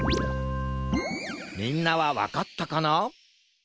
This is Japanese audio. みんなはわかったかな？